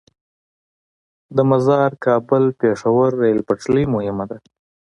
د مزار - کابل - پیښور ریل پټلۍ مهمه ده